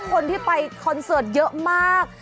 คนที่ไปคอนเสิร์ตเยอะมาก